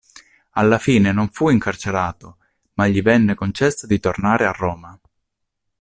Alla fine non fu incarcerato ma gli venne concesso di tornare a Roma.